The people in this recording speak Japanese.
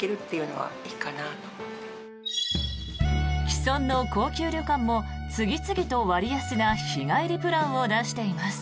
既存の高級旅館も次々と割安な日帰りプランを出しています。